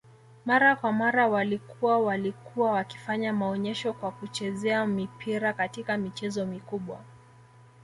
mara kwa mara walikua walikua wakifanya maonyesho kwa kuchezea mipira katika michezo mikubwa